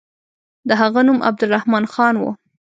د هغه نوم عبدالرحمن خان وو.